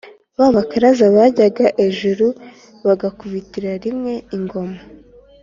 ba bakaraza bajyaga ejuru, bagakubitira rimwe ingoma.